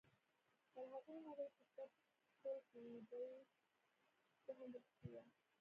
پر هغې نرۍ کوڅه پل کېږدۍ، زه هم درپسې یم.